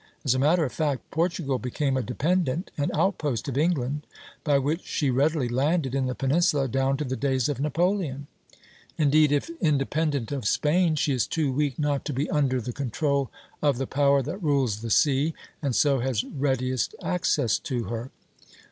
As a matter of fact, Portugal became a dependent and outpost of England, by which she readily landed in the Peninsula down to the days of Napoleon. Indeed, if independent of Spain, she is too weak not to be under the control of the power that rules the sea and so has readiest access to her.